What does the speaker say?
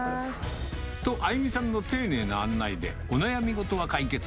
と、歩実さんの丁寧な案内で、お悩み事は解決。